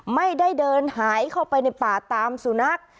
ไม่ได้เดินหายเข้าไปในป่าตามสุนัข